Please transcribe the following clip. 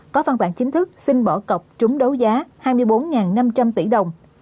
có văn bản chính thức xin bỏ cọc trúng đấu giá hai mươi bốn năm trăm linh tỷ đồng